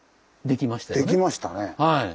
できましたね。